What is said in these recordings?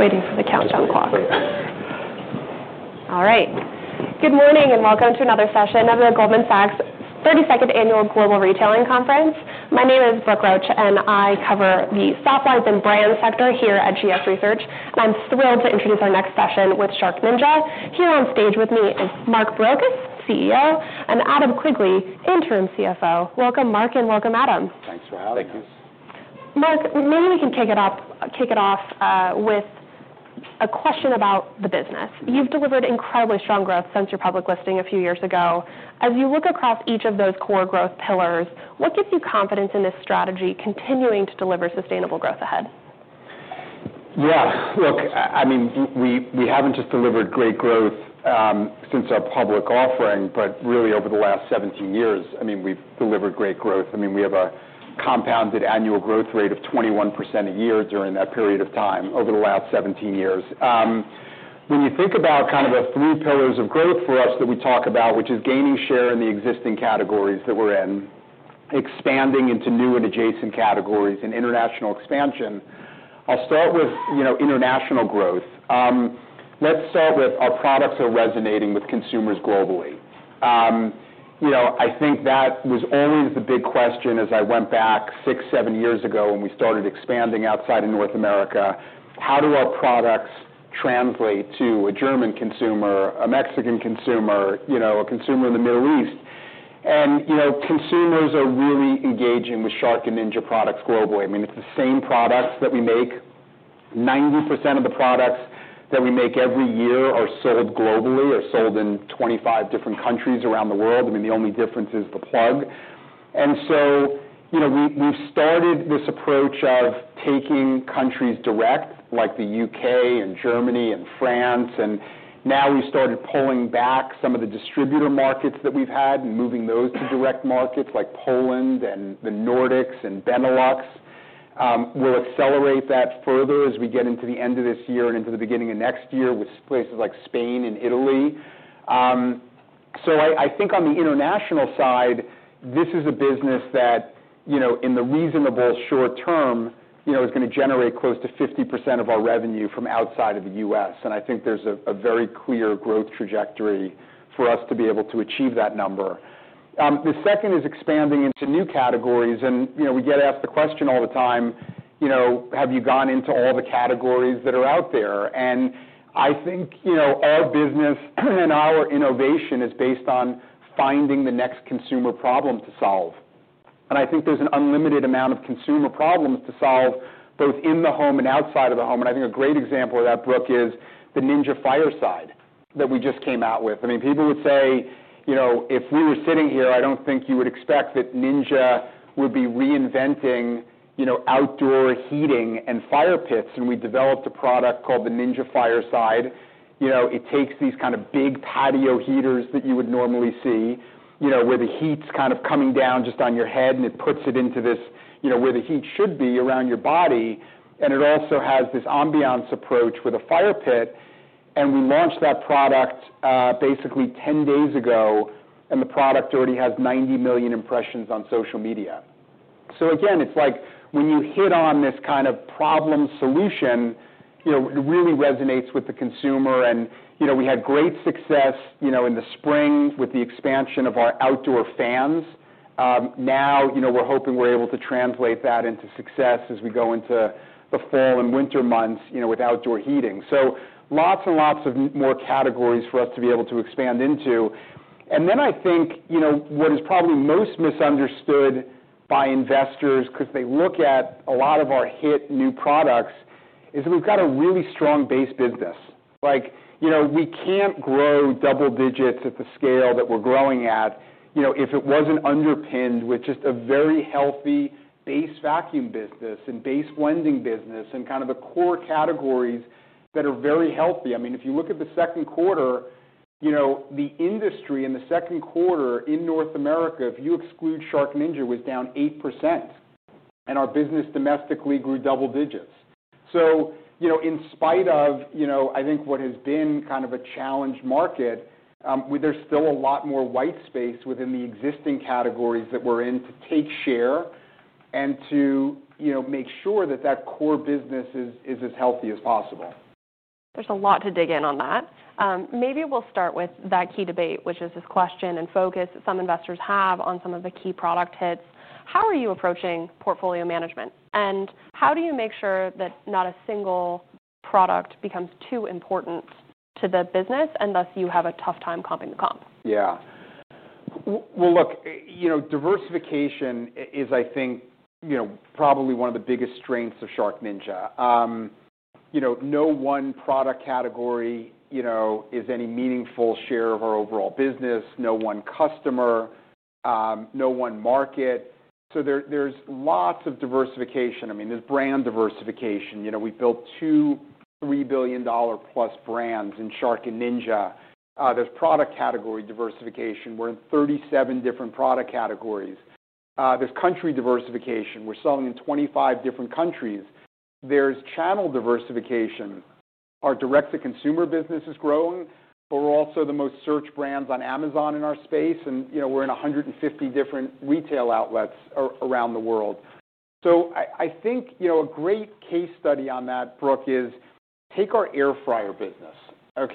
Waiting for the countdown clock. All right. Good morning and welcome to another session of the Goldman Sachs 32nd Annual Global Retailing Conference. My name is Brooke Roach, and I cover the software and brand sector here at GS Research. I'm thrilled to introduce our next session with SharkNinja. Here on stage with me is Mark Barrocas, CEO, and Adam Quigley, Interim CFO. Welcome, Mark, and welcome, Adam. Thanks for having us. Mark, maybe we can kick it off with a question about the business. You've delivered incredibly strong growth since your public listing a few years ago. As you look across each of those core growth pillars, what gives you confidence in this strategy continuing to deliver sustainable growth ahead? Yeah, look, I mean, we haven't just delivered great growth since our public offering, but really over the last 17 years, we've delivered great growth. We have a compounded annual growth rate of 21% a year during that period of time over the last 17 years. When we think about the three pillars of growth for us that we talk about, which is gaining share in the existing categories that we're in, expanding into new and adjacent categories, and international expansion, I'll start with international growth. Let's start with our products are resonating with consumers globally. I think that was always the big question as I went back six, seven years ago when we started expanding outside of North America. How do our products translate to a German consumer, a Mexican consumer, a consumer in the Middle East? Consumers are really engaging with Shark and Ninja products globally. It's the same products that we make. 90% of the products that we make every year are sold globally or sold in 25 different countries around the world. The only difference is the plug. We've started this approach of taking countries direct, like the UK and Germany and France, and now we've started pulling back some of the distributor markets that we've had and moving those to direct markets like Poland and the Nordics and Benelux. We'll accelerate that further as we get into the end of this year and into the beginning of next year with places like Spain and Italy. I think on the international side, this is a business that, in the reasonable short term, is going to generate close to 50% of our revenue from outside of the U.S. I think there's a very clear growth trajectory for us to be able to achieve that number. The second is expanding into new categories. We get asked the question all the time, have you gone into all the categories that are out there? I think our business and our innovation is based on finding the next consumer problem to solve. I think there's an unlimited amount of consumer problems to solve both in the home and outside of the home. I think a great example of that, Brooke, is the Ninja Fireside that we just came out with. People would say, if we were sitting here, I don't think you would expect that Ninja would be reinventing outdoor heating and fire pits. We developed a product called the Ninja Fireside. It takes these kind of big patio heaters that you would normally see, where the heat's kind of coming down just on your head, and it puts it into this, where the heat should be around your body. It also has this ambiance approach with a fire pit. We launched that product basically 10 days ago, and the product already has 90 million impressions on social media. When you hit on this kind of problem solution, it really resonates with the consumer. We had great success in the spring with the expansion of our outdoor fans. Now, we're hoping we're able to translate that into success as we go into the fall and winter months with outdoor heating. There are lots and lots of more categories for us to be able to expand into. I think what is probably most misunderstood by investors, because they look at a lot of our hit new products, is that we've got a really strong base business. We can't grow double digits at the scale that we're growing at if it wasn't underpinned with just a very healthy base vacuum business and base blending business and kind of the core categories that are very healthy. If you look at the second quarter, the industry in the second quarter in North America, if you exclude SharkNinja, was down 8%. Our business domestically grew double digits. In spite of what has been kind of a challenged market, there's still a lot more white space within the existing categories that we're in to take share and to make sure that that core business is as healthy as possible. There's a lot to dig in on that. Maybe we'll start with that key debate, which is this question and focus some investors have on some of the key product hits. How are you approaching portfolio management? How do you make sure that not a single product becomes too important to the business unless you have a tough time calming the calm? Yeah, look, diversification is, I think, probably one of the biggest strengths of SharkNinja. No one product category is any meaningful share of our overall business. No one customer, no one market. There's lots of diversification. I mean, there's brand diversification. We built two $3 billion+ brands in Shark and Ninja. There's product category diversification. We're in 37 different product categories. There's country diversification. We're selling in 25 different countries. There's channel diversification. Our direct-to-consumer business is growing, but we're also the most searched brands on Amazon in our space. We're in 150 different retail outlets around the world. I think a great case study on that, Brooke, is take our air fryer business. Our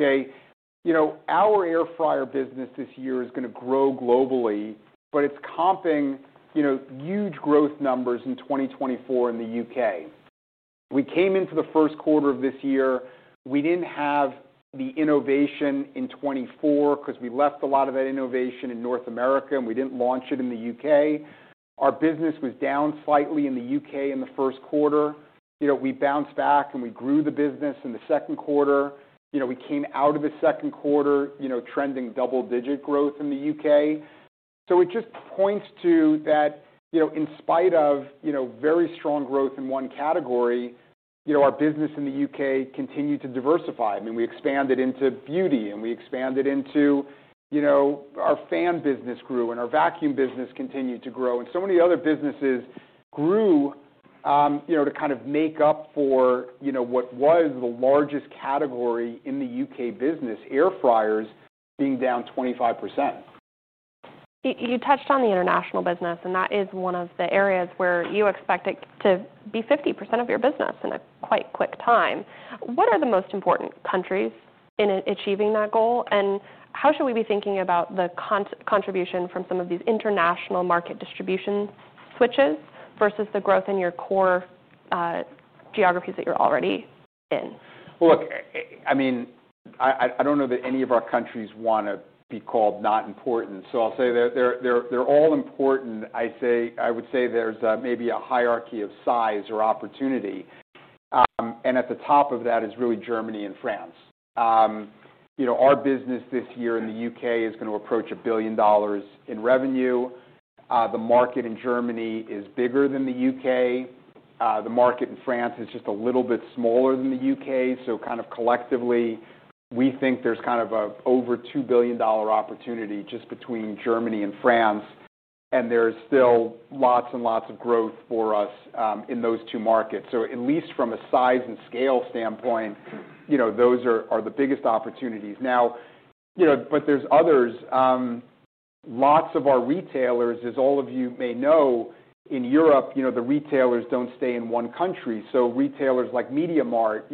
air fryer business this year is going to grow globally, but it's comping huge growth numbers in 2024 in the U.K. We came into the first quarter of this year. We didn't have the innovation in 2024 because we left a lot of that innovation in North America, and we didn't launch it in the U.K. Our business was down slightly in the U.K. in the first quarter. We bounced back and we grew the business in the second quarter. We came out of the second quarter trending double-digit growth in the U.K. It just points to that, in spite of very strong growth in one category, our business in the U.K. continued to diversify. I mean, we expanded into beauty, and we expanded into our fan business grew, and our vacuum business continued to grow, and so many other businesses grew to kind of make up for what was the largest category in the U.K. business, air fryers, being down 25%. You touched on the international business, and that is one of the areas where you expect it to be 50% of your business in a quite quick time. What are the most important countries in achieving that goal? How should we be thinking about the contribution from some of these international market distribution switches versus the growth in your core geographies that you're already in? I mean, I don't know that any of our countries want to be called not important. I'll say that they're all important. I would say there's maybe a hierarchy of size or opportunity. At the top of that is really Germany and France. Our business this year in the U.K. is going to approach $1 billion in revenue. The market in Germany is bigger than the U.K. The market in France is just a little bit smaller than the U.K. Collectively, we think there's kind of an over $2 billion opportunity just between Germany and France. There's still lots and lots of growth for us in those two markets. At least from a size and scale standpoint, those are the biggest opportunities. Now, there's others. Lots of our retailers, as all of you may know, in Europe, the retailers don't stay in one country. Retailers like MediaMarkt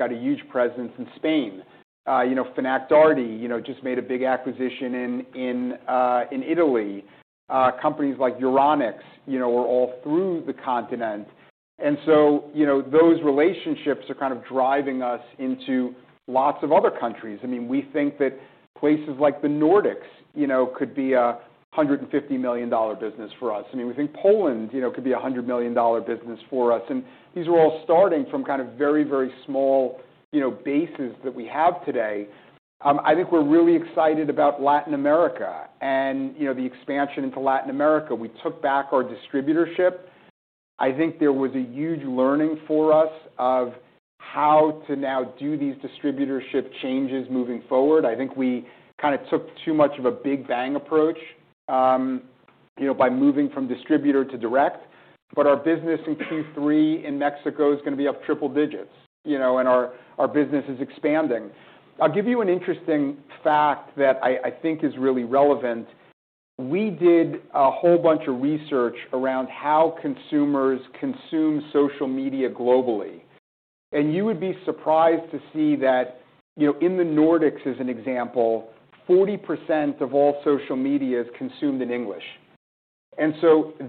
have a huge presence in Spain. Fnac Darty just made a big acquisition in Italy. Companies like EURONICS are all through the continent. Those relationships are kind of driving us into lots of other countries. We think that places like the Nordics could be a $150 million business for us. We think Poland could be a $100 million business for us. These are all starting from very, very small bases that we have today. I think we're really excited about Latin America and the expansion into Latin America. We took back our distributorship. I think there was a huge learning for us of how to now do these distributorship changes moving forward. I think we kind of took too much of a big bang approach by moving from distributor to direct. Our business in Q3 in Mexico is going to be up triple digits, and our business is expanding. I'll give you an interesting fact that I think is really relevant. We did a whole bunch of research around how consumers consume social media globally. You would be surprised to see that in the Nordics, as an example, 40% of all social media is consumed in English.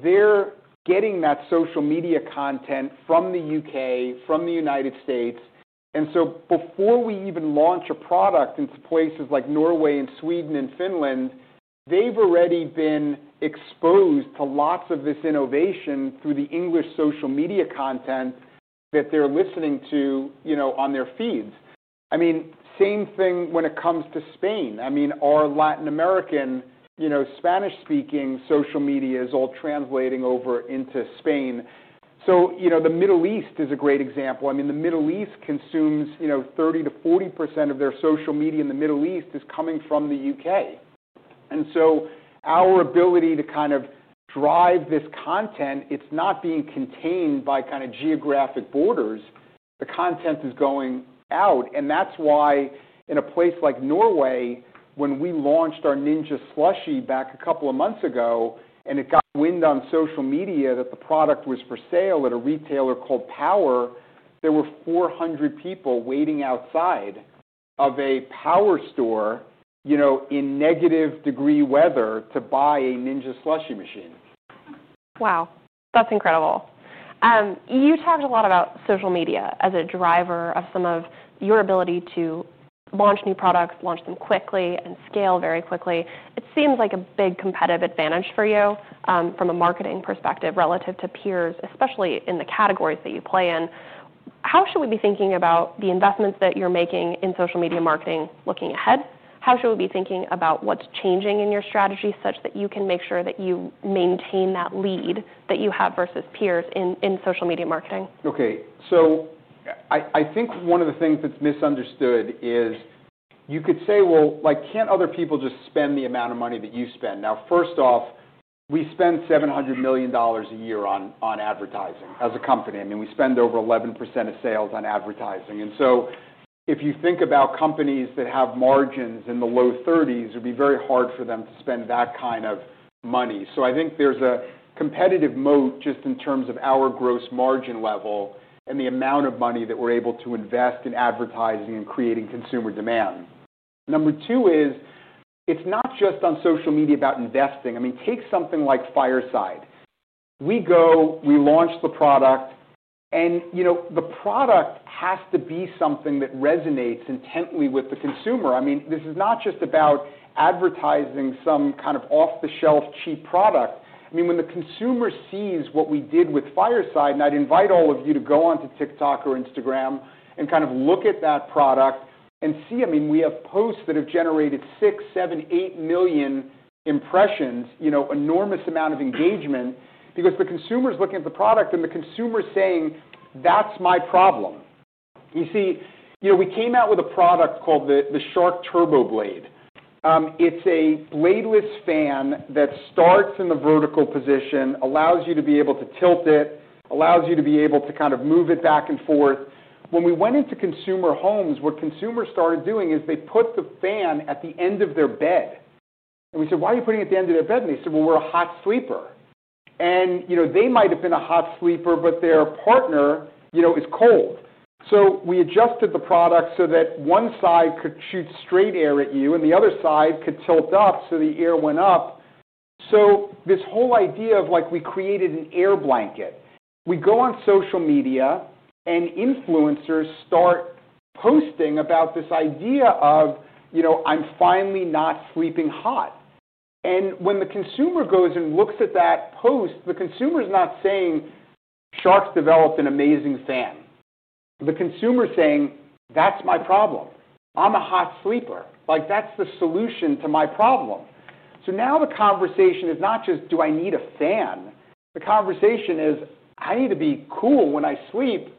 They're getting that social media content from the U.K, from the United States. Before we even launch a product into places like Norway and Sweden and Finland, they've already been exposed to lots of this innovation through the English social media content that they're listening to on their feeds. I mean, same thing when it comes to Spain. Our Latin American, you know, Spanish-speaking social media is all translating over into Spain. The Middle East is a great example. The Middle East consumes, you know, 30%- 40% of their social media in the Middle East is coming from the U.K. Our ability to kind of drive this content, it's not being contained by kind of geographic borders. The content is going out. That's why in a place like Norway, when we launched our Ninja SLUSHi back a couple of months ago, and it got wind on social media that the product was for sale at a retailer called Power, there were 400 people waiting outside of a Power store, you know, in negative degree weather to buy a Ninja SLUSHi machine. Wow. That's incredible. You talked a lot about social media as a driver of some of your ability to launch new products, launch them quickly, and scale very quickly. It seems like a big competitive advantage for you from a marketing perspective relative to peers, especially in the categories that you play in. How should we be thinking about the investments that you're making in social media marketing looking ahead? How should we be thinking about what's changing in your strategy such that you can make sure that you maintain that lead that you have versus peers in social media marketing? OK, I think one of the things that's misunderstood is you could say, can't other people just spend the amount of money that you spend? First off, we spend $700 million a year on advertising as a company. I mean, we spend over 11% of sales on advertising. If you think about companies that have margins in the low 30%, it would be very hard for them to spend that kind of money. I think there's a competitive moat just in terms of our gross margin level and the amount of money that we're able to invest in advertising and creating consumer demand. Number two is it's not just on social media about investing. Take something like Fireside. We go, we launch the product, and the product has to be something that resonates intently with the consumer. This is not just about advertising some kind of off-the-shelf cheap product. When the consumer sees what we did with Fireside, and I'd invite all of you to go on to TikTok or Instagram and look at that product and see, we have posts that have generated 6, 7, 8 million impressions, an enormous amount of engagement because the consumer is looking at the product and the consumer is saying, that's my problem. We came out with a product called the Shark Turbo Blade. It's a bladeless fan that starts in the vertical position, allows you to be able to tilt it, allows you to be able to move it back and forth. When we went into consumer homes, what consumers started doing is they put the fan at the end of their bed. We said, why are you putting it at the end of their bed? They said, we're a hot sleeper. They might have been a hot sleeper, but their partner is cold. We adjusted the product so that one side could shoot straight air at you, and the other side could tilt up so the air went up. This whole idea of, we created an air blanket. We go on social media, and influencers start posting about this idea of, I'm finally not sleeping hot. When the consumer goes and looks at that post, the consumer is not saying, Shark's developed an amazing fan. The consumer is saying, that's my problem. I'm a hot sleeper. That's the solution to my problem. Now the conversation is not just, do I need a fan? The conversation is, I need to be cool when I sleep.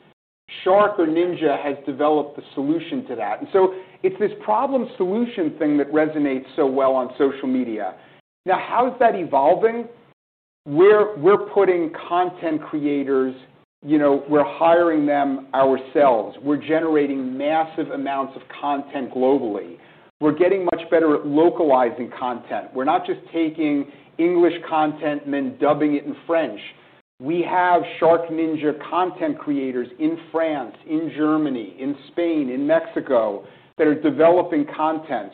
Shark or Ninja has developed the solution to that. It's this problem-solution thing that resonates so well on social media. How is that evolving? We're putting content creators, you know, we're hiring them ourselves. We're generating massive amounts of content globally. We're getting much better at localizing content. We're not just taking English content and then dubbing it in French. We have SharkNinja content creators in France, in Germany, in Spain, in Mexico that are developing content.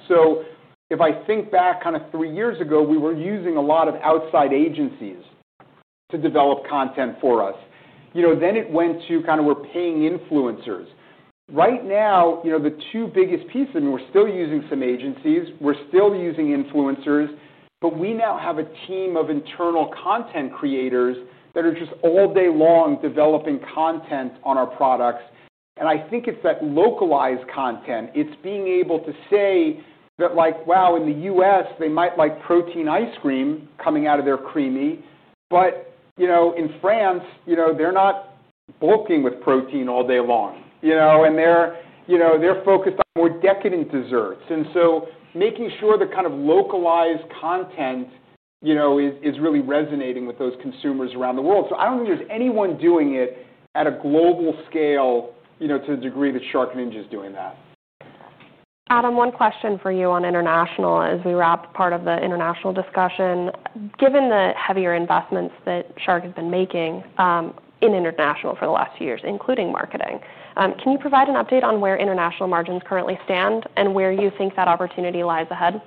If I think back kind of three years ago, we were using a lot of outside agencies to develop content for us. Then it went to kind of we're paying influencers. Right now, you know, the two biggest pieces, I mean, we're still using some agencies. We're still using influencers. We now have a team of internal content creators that are just all day long developing content on our products. I think it's that localized content. It's being able to say that, like, wow, in the U.S., they might like protein ice cream coming out of their CREAMi. You know, in France, you know, they're not bulking with protein all day long. They're focused on more decadent desserts. Making sure the kind of localized content is really resonating with those consumers around the world. I don't think there's anyone doing it at a global scale to the degree that SharkNinja is doing that. Adam, one question for you on international as we wrap part of the international discussion. Given the heavier investments that SharkNinja has been making in international for the last two years, including marketing, can you provide an update on where international margins currently stand and where you think that opportunity lies ahead?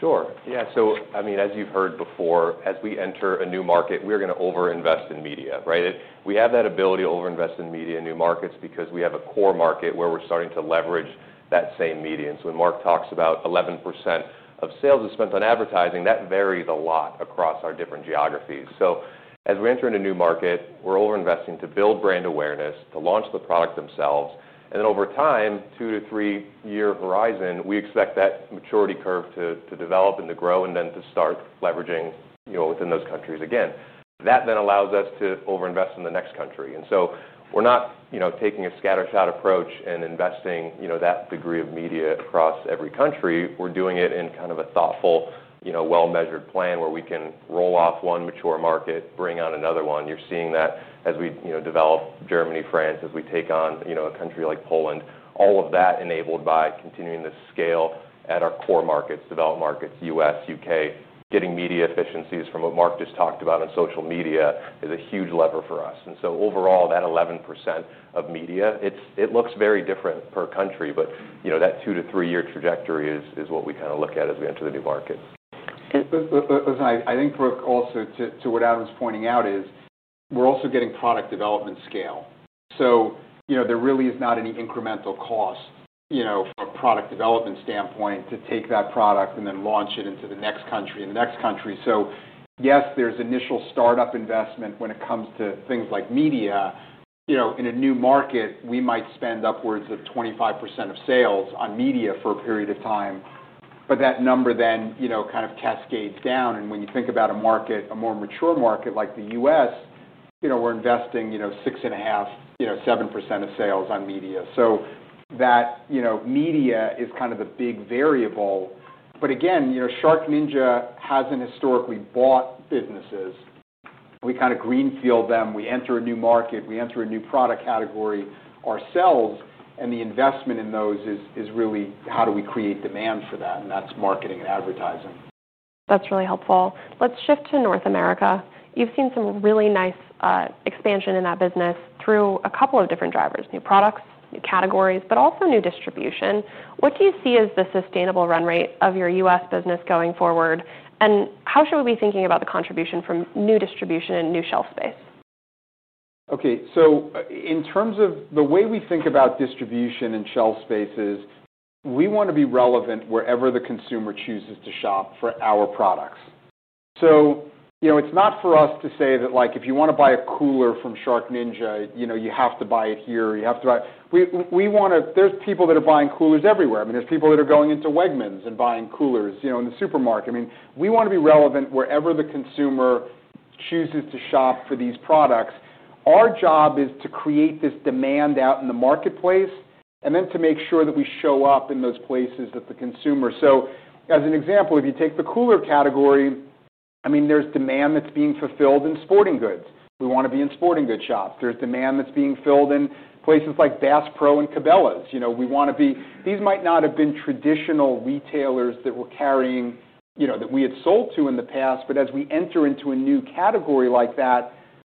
Sure. Yeah, so as you've heard before, as we enter a new market, we're going to overinvest in media, right? We have that ability to overinvest in media in new markets because we have a core market where we're starting to leverage that same media. When Mark talks about 11% of sales is spent on advertising, that varied a lot across our different geographies. As we enter into a new market, we're overinvesting to build brand awareness, to launch the product themselves. Over time, two to three-year horizon, we expect that maturity curve to develop and to grow and then to start leveraging, you know, within those countries again. That then allows us to overinvest in the next country. We're not, you know, taking a scattershot approach and investing, you know, that degree of media across every country. We're doing it in kind of a thoughtful, you know, well-measured plan where we can roll off one mature market, bring on another one. You're seeing that as we, you know, develop Germany, France, as we take on, you know, a country like Poland, all of that enabled by continuing to scale at our core markets, developed markets, U.S., U.K., getting media efficiencies from what Mark just talked about on social media is a huge lever for us. Overall, that 11% of media, it looks very different per country. That two to three-year trajectory is what we kind of look at as we enter the new markets. Listen, I think, Brooke, also to what Adam's pointing out is we're also getting product development scale. There really is not any incremental cost from a product development standpoint to take that product and then launch it into the next country and the next country. Yes, there's initial startup investment when it comes to things like media. In a new market, we might spend upwards of 25% of sales on media for a period of time. That number then kind of cascades down. When you think about a market, a more mature market like the U.S., we're investing 6.5%, 7% of sales on media. Media is kind of the big variable. Again, SharkNinja hasn't historically bought businesses. We kind of greenfield them. We enter a new market. We enter a new product category ourselves. The investment in those is really how do we create demand for that, and that's marketing and advertising. That's really helpful. Let's shift to North America. You've seen some really nice expansion in that business through a couple of different drivers: new products, new categories, but also new distribution. What do you see as the sustainable run rate of your U.S. business going forward? How should we be thinking about the contribution from new distribution and new shelf space? OK, so in terms of the way we think about distribution and shelf spaces, we want to be relevant wherever the consumer chooses to shop for our products. It's not for us to say that, like, if you want to buy a cooler from SharkNinja, you have to buy it here. We want to—there's people that are buying coolers everywhere. There's people that are going into Wegmans and buying coolers in the supermarket. We want to be relevant wherever the consumer chooses to shop for these products. Our job is to create this demand out in the marketplace and then to make sure that we show up in those places that the consumer—so as an example, if you take the cooler category, there's demand that's being fulfilled in sporting goods. We want to be in sporting goods shops. There's demand that's being filled in places like Bass Pro and Cabela's. We want to be—these might not have been traditional retailers that were carrying, that we had sold to in the past. As we enter into a new category like that,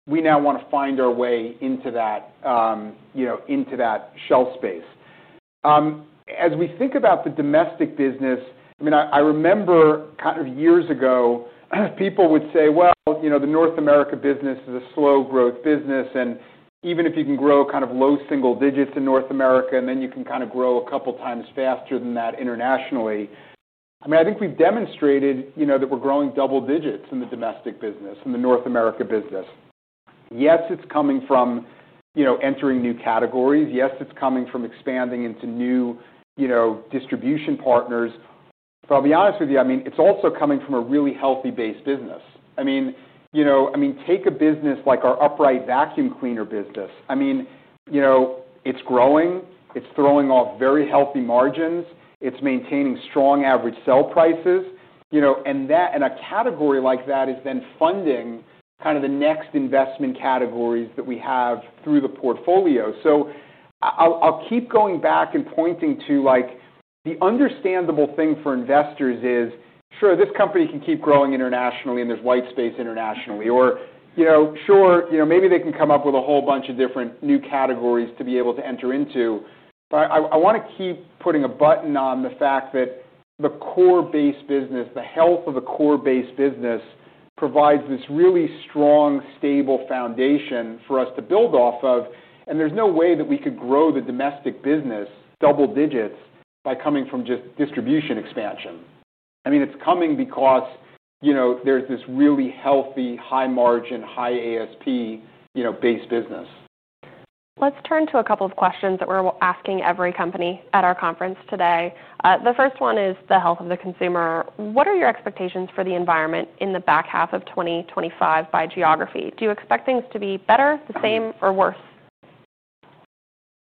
we now want to find our way into that shelf space. As we think about the domestic business, I remember kind of years ago, people would say, the North America business is a slow-growth business. Even if you can grow kind of low single digits in North America, and then you can kind of grow a couple of times faster than that internationally. I think we've demonstrated that we're growing double digits in the domestic business, in the North America business. Yes, it's coming from entering new categories. Yes, it's coming from expanding into new distribution partners. I'll be honest with you, it's also coming from a really healthy base business. Take a business like our upright vacuum cleaner business. It's growing. It's throwing off very healthy margins. It's maintaining strong average sell prices, and a category like that is then funding kind of the next investment categories that we have through the portfolio. I'll keep going back and pointing to the understandable thing for investors is, sure, this company can keep growing internationally, and there's white space internationally. Maybe they can come up with a whole bunch of different new categories to be able to enter into. I want to keep putting a button on the fact that the core base business, the health of a core base business provides this really strong, stable foundation for us to build off of. There's no way that we could grow the domestic business double digits by coming from just distribution expansion. It's coming because, you know, there's this really healthy, high margin, high ASP, you know, base business. Let's turn to a couple of questions that we're asking every company at our conference today. The first one is the health of the consumer. What are your expectations for the environment in the back half of 2025 by geography? Do you expect things to be better, the same, or worse?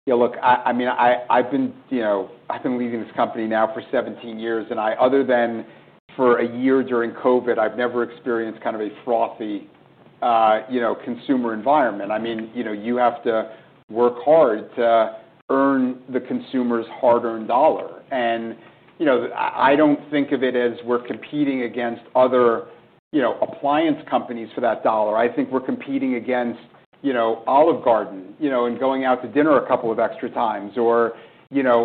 Yeah, look, I mean, I've been leading this company now for 17 years. Other than for a year during COVID, I've never experienced kind of a frothy consumer environment. I mean, you have to work hard to earn the consumer's hard-earned dollar. I don't think of it as we're competing against other appliance companies for that dollar. I think we're competing against Olive Garden, and going out to dinner a couple of extra times, or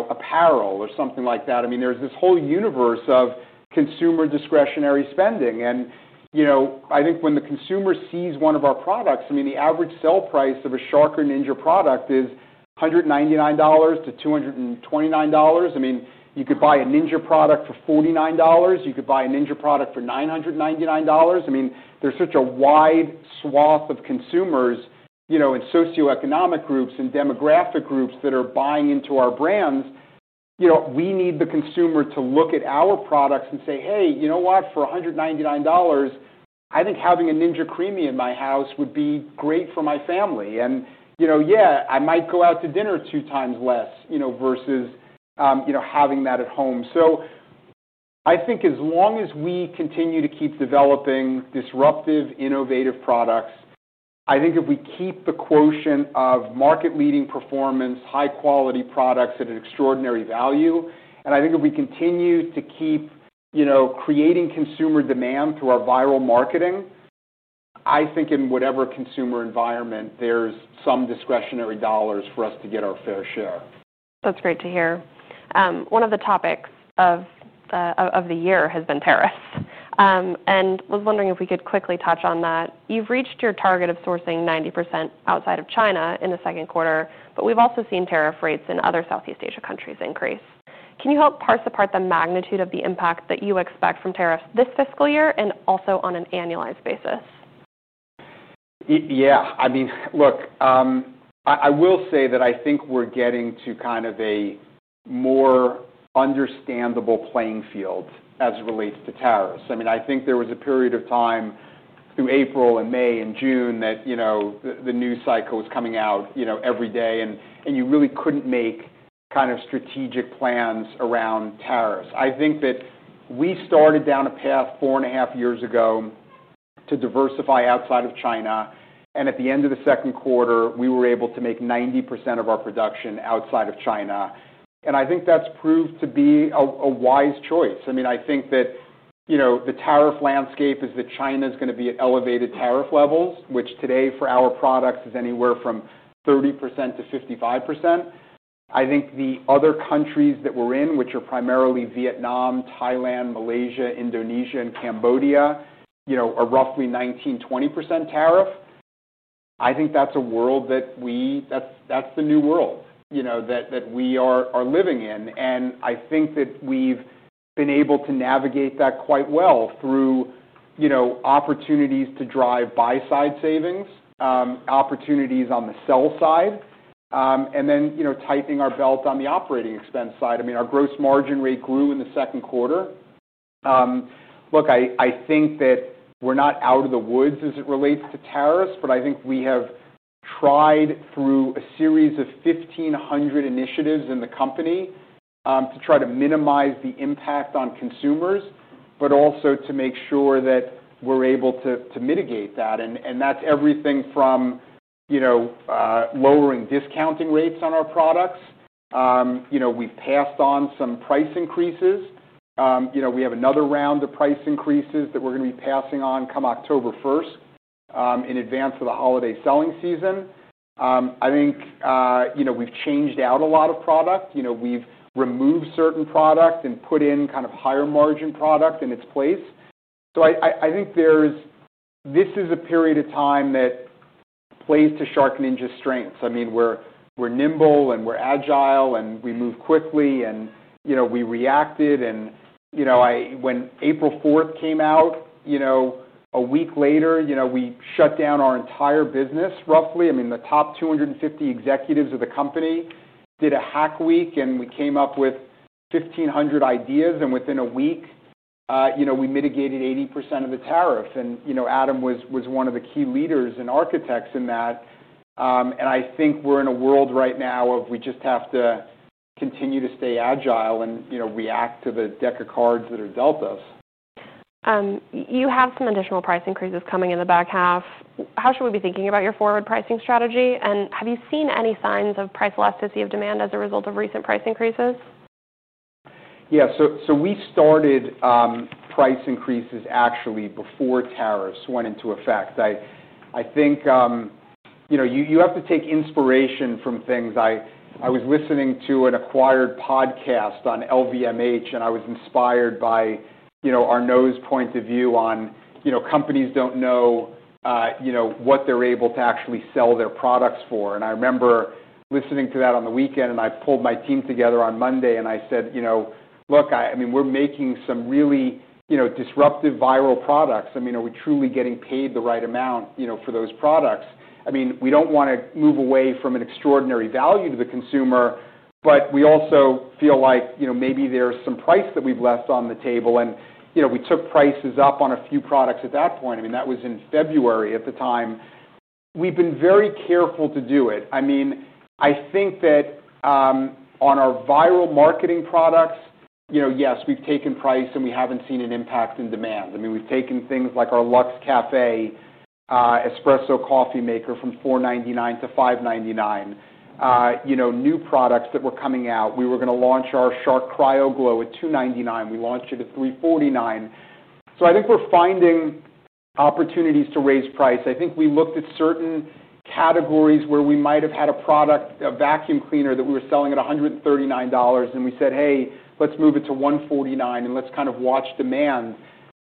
apparel or something like that. There's this whole universe of consumer discretionary spending. I think when the consumer sees one of our products, the average sell price of a Shark or Ninja product is $199 to $229. You could buy a Ninja product for $49. You could buy a Ninja product for $999. There's such a wide swath of consumers and socioeconomic groups and demographic groups that are buying into our brands. We need the consumer to look at our products and say, hey, you know what? For $199, I think having a Ninja CREAMi in my house would be great for my family. Yeah, I might go out to dinner two times less versus having that at home. I think as long as we continue to keep developing disruptive, innovative products, if we keep the quotient of market-leading performance, high-quality products at an extraordinary value, and if we continue to keep creating consumer demand through our viral marketing, I think in whatever consumer environment, there's some discretionary dollars for us to get our fair share. That's great to hear. One of the topics of the year has been tariffs. I was wondering if we could quickly touch on that. You've reached your target of sourcing 90% outside of China in the second quarter, but we've also seen tariff rates in other Southeast Asia countries increase. Can you help parse apart the magnitude of the impact that you expect from tariffs this fiscal year and also on an annualized basis? Yeah, I mean, look, I will say that I think we're getting to kind of a more understandable playing field as it relates to tariffs. I think there was a period of time through April and May and June that the news cycle was coming out every day. You really couldn't make kind of strategic plans around tariffs. I think that we started down a path four and a half years ago to diversify outside of China. At the end of the second quarter, we were able to make 90% of our production outside of China. I think that's proved to be a wise choice. I think that the tariff landscape is that China is going to be at elevated tariff levels, which today for our products is anywhere from 30%- 55%. I think the other countries that we're in, which are primarily Vietnam, Thailand, Malaysia, Indonesia, and Cambodia, are roughly 19%, 20% tariff. I think that's a world that we—that's the new world that we are living in. I think that we've been able to navigate that quite well through opportunities to drive buy-side savings, opportunities on the sell side, and then tightening our belt on the operating expense side. Our gross margin rate grew in the second quarter. I think that we're not out of the woods as it relates to tariffs. I think we have tried through a series of 1,500 initiatives in the company to try to minimize the impact on consumers, but also to make sure that we're able to mitigate that. That's everything from lowering discounting rates on our products. We've passed on some price increases. We have another round of price increases that we're going to be passing on come October 1 in advance of the holiday selling season. I think we've changed out a lot of product. We've removed certain product and put in kind of higher margin product in its place. I think this is a period of time that plays to SharkNinja's strengths. We're nimble and we're agile and we move quickly and we reacted. When April 4 came out, a week later, we shut down our entire business roughly. The top 250 executives of the company did a hack week and we came up with 1,500 ideas. Within a week, we mitigated 80% of the tariff. Adam was one of the key leaders and architects in that. I think we're in a world right now of we just have to continue to stay agile and react to the deck of cards that are dealt us. You have some additional price increases coming in the back half. How should we be thinking about your forward pricing strategy? Have you seen any signs of price elasticity of demand as a result of recent price increases? Yeah, we started price increases actually before tariffs went into effect. I think you have to take inspiration from things. I was listening to an Acquired podcast on LVMH, and I was inspired by our nose point of view on companies don't know what they're able to actually sell their products for. I remember listening to that on the weekend, and I pulled my team together on Monday, and I said, look, I mean, we're making some really disruptive viral products. Are we truly getting paid the right amount for those products? We don't want to move away from an extraordinary value to the consumer, but we also feel like maybe there's some price that we've left on the table. We took prices up on a few products at that point. That was in February at the time. We've been very careful to do it. I think that on our viral marketing products, yes, we've taken price and we haven't seen an impact in demand. We've taken things like our Luxe Cafe Espresso coffee maker from $499- $599. New products that were coming out, we were going to launch our Shark CryoGlow at $299. We launched it at $349. I think we're finding opportunities to raise price. I think we looked at certain categories where we might have had a product, a vacuum cleaner that we were selling at $139, and we said, hey, let's move it to $149 and let's kind of watch demand.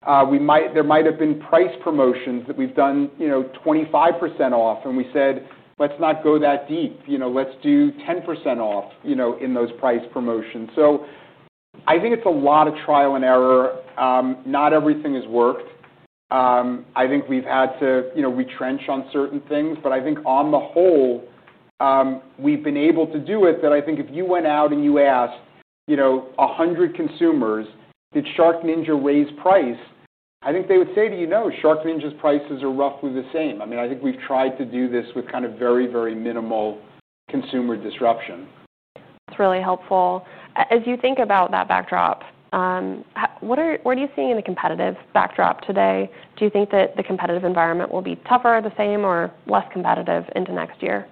There might have been price promotions that we've done, 25% off. We said, let's not go that deep. Let's do 10% off in those price promotions. I think it's a lot of trial and error. Not everything has worked. I think we've had to retrench on certain things. I think on the whole, we've been able to do it. If you went out and you asked 100 consumers, did SharkNinja raise price? I think they would say to you, no, SharkNinja's prices are roughly the same. I think we've tried to do this with very, very minimal consumer disruption. That's really helpful. As you think about that backdrop, what are you seeing in the competitive backdrop today? Do you think that the competitive environment will be tougher, the same, or less competitive into next year?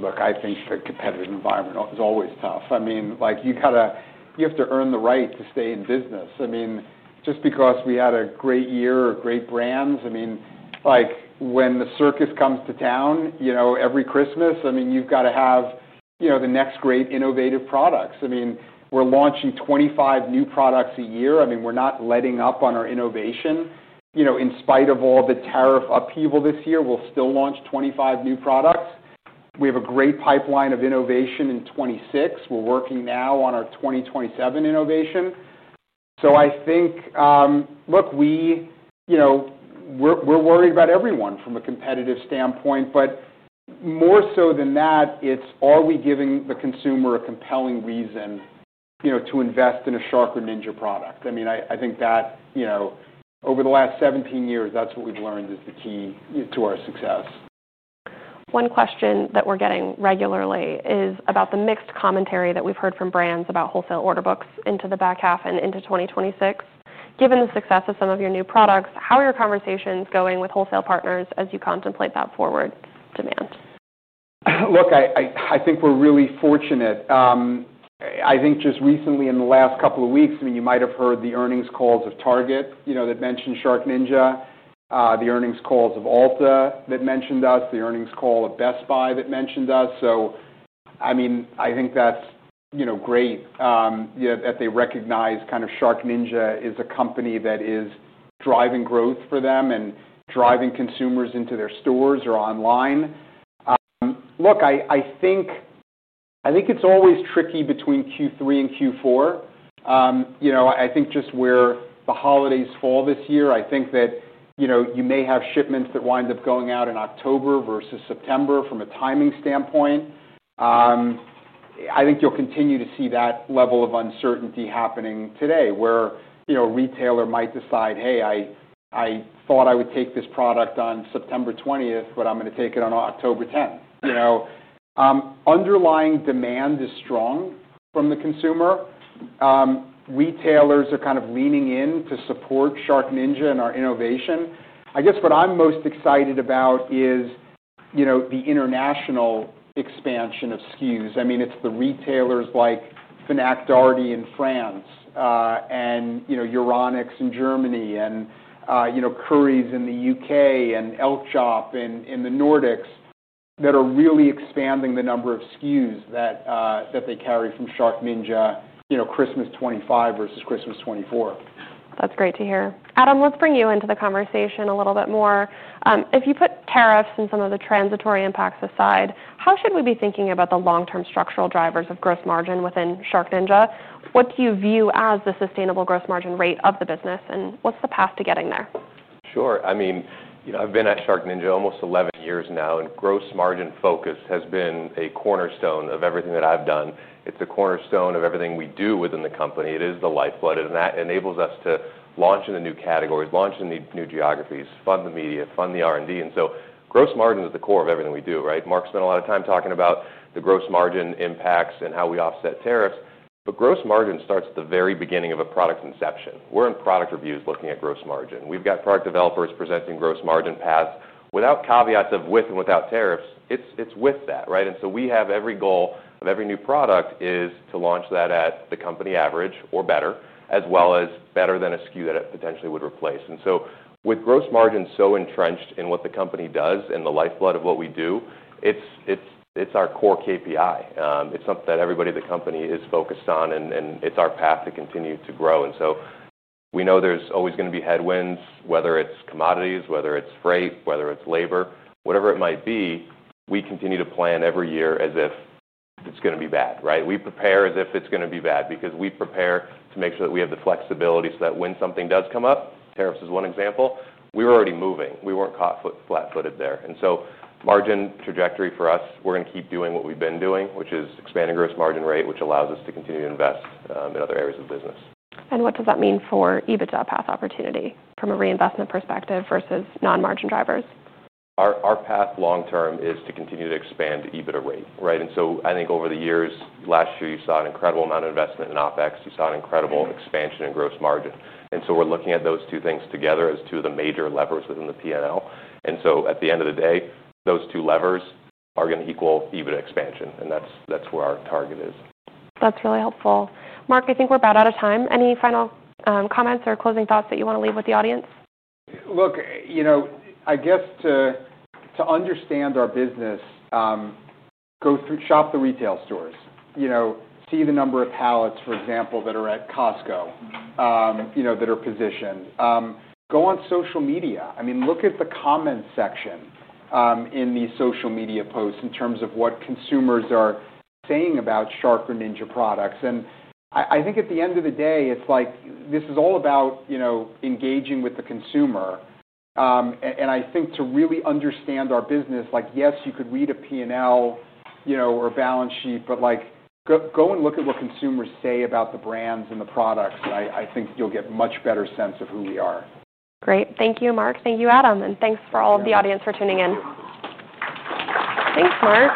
I think the competitive environment is always tough. You have to earn the right to stay in business. Just because we had a great year or great brands, when the circus comes to town every Christmas, you've got to have the next great innovative products. We're launching 25 new products a year. We're not letting up on our innovation. In spite of all the tariff upheaval this year, we'll still launch 25 new products. We have a great pipeline of innovation in 2026. We're working now on our 2027 innovation. I think we are worried about everyone from a competitive standpoint. More so than that, it's are we giving the consumer a compelling reason to invest in a Shark or Ninja product? I think that over the last 17 years, that's what we've learned is the key to our success. One question that we're getting regularly is about the mixed commentary that we've heard from brands about wholesale order books into the back half and into 2026. Given the success of some of your new products, how are your conversations going with wholesale partners as you contemplate that forward demand? Look, I think we're really fortunate. I think just recently in the last couple of weeks, you might have heard the earnings calls of Target that mentioned SharkNinja, the earnings calls of Ulta that mentioned us, the earnings call at Best Buy that mentioned us. I think that's great that they recognize SharkNinja as a company that is driving growth for them and driving consumers into their stores or online. I think it's always tricky between Q3 and Q4. Just where the holidays fall this year, you may have shipments that wind up going out in October versus September from a timing standpoint. You'll continue to see that level of uncertainty happening today where a retailer might decide, hey, I thought I would take this product on September 20, but I'm going to take it on October 10. Underlying demand is strong from the consumer. Retailers are leaning in to support SharkNinja and our innovation. What I'm most excited about is the international expansion of SKUs. It's the retailers like Fnac Darty in France, Euronics in Germany, Currys in the UK, and Elkjøp in the Nordics that are really expanding the number of SKUs that they carry from SharkNinja, Christmas 2025 versus Christmas 2024. That's great to hear. Adam, let's bring you into the conversation a little bit more. If you put tariffs and some of the transitory impacts aside, how should we be thinking about the long-term structural drivers of gross margin within SharkNinja? What do you view as the sustainable gross margin rate of the business? What's the path to getting there? Sure. I mean, you know, I've been at SharkNinja almost 11 years now, and gross margin focus has been a cornerstone of everything that I've done. It's a cornerstone of everything we do within the company. It is the lifeblood, and that enables us to launch in the new categories, launch in the new geographies, fund the media, fund the R&D. Gross margin is at the core of everything we do, right? Mark spent a lot of time talking about the gross margin impacts and how we offset tariffs. Gross margin starts at the very beginning of a product's inception. We're in product reviews looking at gross margin. We've got product developers presenting gross margin paths without caveats of with and without tariffs. It's with that, right? We have every goal of every new product is to launch that at the company average or better, as well as better than a SKU that it potentially would replace. With gross margin so entrenched in what the company does and the lifeblood of what we do, it's our core KPI. It's something that everybody at the company is focused on, and it's our path to continue to grow. We know there's always going to be headwinds, whether it's commodities, whether it's freight, whether it's labor, whatever it might be. We continue to plan every year as if it's going to be bad, right? We prepare as if it's going to be bad because we prepare to make sure that we have the flexibility so that when something does come up, tariffs is one example, we were already moving. We weren't caught flat-footed there. Margin trajectory for us, we're going to keep doing what we've been doing, which is expanding gross margin rate, which allows us to continue to invest in other areas of the business. What does that mean for EBITDA path opportunity from a reinvestment perspective versus non-margin drivers? Our path long-term is to continue to expand EBITDA rate, right? I think over the years, last year you saw an incredible amount of investment in OpEx. You saw an incredible expansion in gross margin. We're looking at those two things together as two of the major levers within the P&L. At the end of the day, those two levers are going to equal EBITDA expansion. That's where our target is. That's really helpful. Mark, I think we're about out of time. Any final comments or closing thoughts that you want to leave with the audience? Look, to understand our business, go shop the retail stores. See the number of pallets, for example, that are at Costco that are positioned. Go on social media. Look at the comments section in these social media posts in terms of what consumers are saying about Shark or Ninja products. At the end of the day, this is all about engaging with the consumer. To really understand our business, yes, you could read a P&L or a balance sheet, but go and look at what consumers say about the brands and the products. I think you'll get a much better sense of who we are. Great. Thank you, Mark. Thank you, Adam. Thank you to all of the audience for tuning in. Thanks, Mark.